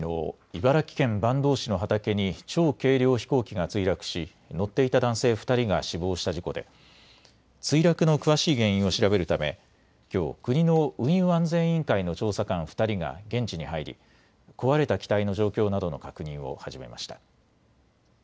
茨城県坂東市の畑に超軽量飛行機が墜落し、乗っていた男性２人が死亡した事故で墜落の詳しい原因を調べるためきょう、国の運輸安全委員会の調査官２人が現地に入り壊れた機体の状況などの確認を始めました。